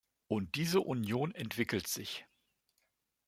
Und diese Union entwickelt sich.